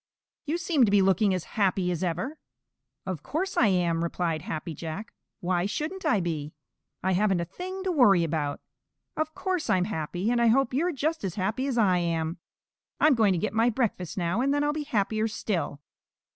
"You seem to be looking as happy as ever." "Of course I am," replied Happy Jack. "Why shouldn't I be? I haven't a thing to worry about. Of course I'm happy, and I hope you're just as happy as I am. I'm going to get my breakfast now, and then I'll be happier still."